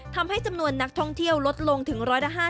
ทำให้จำนวนนักท่องเที่ยวลดลงถึง๑๕๐